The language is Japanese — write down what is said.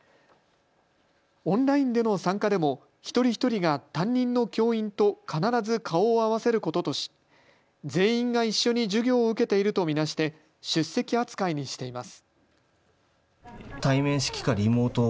オンラインでの参加でも一人一人が担任の教員と必ず顔を合わせることとし全員が一緒に授業を受けていると見なして出席扱いにしています。